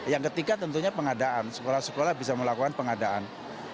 yang ketiga tentunya pengadaan sekolah sekolah bisa melakukan pengadaan